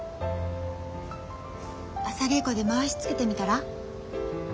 朝稽古でまわしつけてみたら？